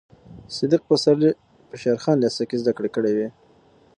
صدیق پسرلي په شېر خان لېسه کې زده کړې کړې وې.